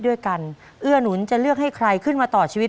น้องป๋องเลือกเรื่องระยะทางให้พี่เอื้อหนุนขึ้นมาต่อชีวิต